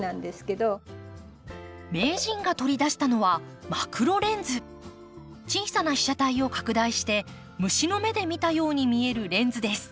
名人が取り出したのは小さな被写体を拡大して虫の目で見たように見えるレンズです。